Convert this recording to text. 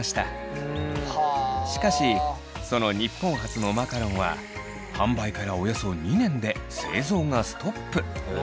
しかしその日本初のマカロンは販売からおよそ２年で製造がストップ。